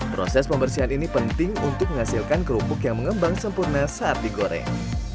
proses pembersihan ini penting untuk menghasilkan kerupuk yang mengembang sempurna saat digoreng